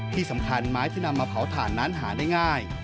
ที่สำคัญไม้ที่นำมาเผาถ่านนั้นหาได้ง่าย